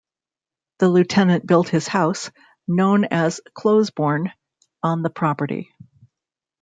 The lieutenant built his house, known as Closebourne, on the property.